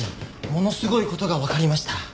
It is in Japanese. ものすごい事がわかりました。